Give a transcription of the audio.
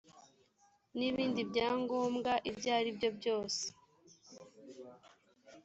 n’ibindi byangomwa ibyo aribyo byose